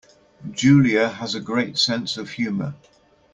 Julia has a great sense of humour